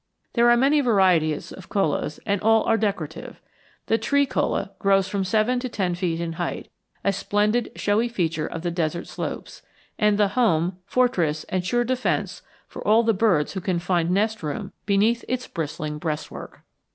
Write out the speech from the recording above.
There are many varieties of chollas and all are decorative. The tree cholla grows from seven to ten feet in height, a splendid showy feature of the desert slopes, and the home, fortress, and sure defense for all the birds who can find nest room behind its bristling breastwork.